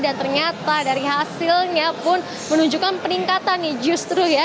dan ternyata dari hasilnya pun menunjukkan peningkatan nih justru ya